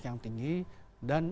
yang tinggi dan